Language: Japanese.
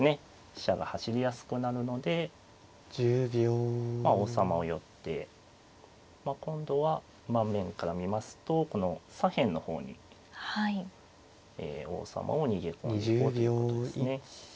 飛車が走りやすくなるのでまあ王様を寄って今度は盤面から見ますとこの左辺の方にええ王様を逃げ込んでおこうということですね。